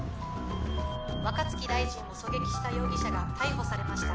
「若槻大臣を狙撃した容疑者が逮捕されました」